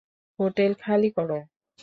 Hotel খালি করো!